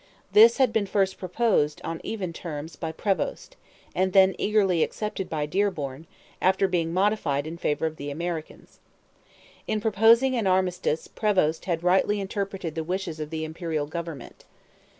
This had been first proposed, on even terms, by Prevost, and then eagerly accepted by Dearborn, after being modified in favour of the Americans. In proposing an armistice Prevost had rightly interpreted the wishes of the Imperial government.